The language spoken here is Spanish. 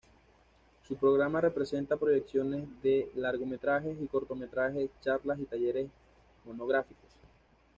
Su programa presenta proyecciones de largometrajes y cortometrajes, charlas y talleres monográficos.